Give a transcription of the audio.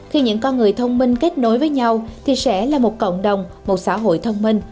khi những con người thông minh kết nối với nhau thì sẽ là một cộng đồng một xã hội thông minh